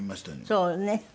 そうね。